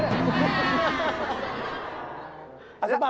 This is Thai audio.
ลูกค้าเข้ารับ